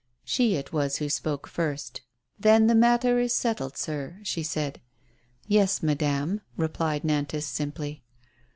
She it was who spoke first. " Then the matter is settled, sir," she said. "Yes, rnadame," replied Nantas, simply.